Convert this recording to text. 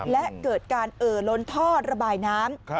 และเกิดการเอ่อล้นท่อระบายน้ำ